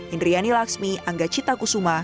indriani laksmi angga cita kusuma